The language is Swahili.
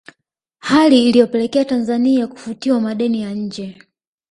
Hali iliyopelekea Tanzania kufutiwa madeni ya nje